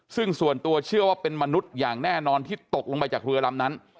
ซึ่งส่วนตัวเชื่อว่าเป็นมนุษย์อย่างแน่นอนที่ตกลงไปจากเรือลำนั้น